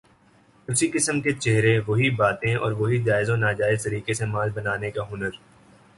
اسی قسم کے چہرے، وہی باتیں اور وہی جائز و ناجائز طریقے سے مال بنانے کا ہنر۔